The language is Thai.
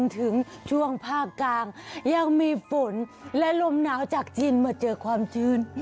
ถึงช่วงภาคกลางยังมีฝนและลมหนาวจากจีนมาเจอความชื้น